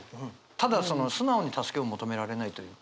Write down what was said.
ただその素直に助けを求められないというか。